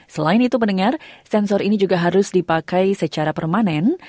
selain itu mendengar sensor ini juga harus dipakai secara permanen